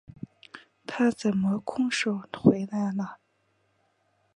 他怎么空手回来了？